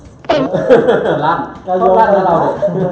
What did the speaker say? หลักเข้าบันแล้ว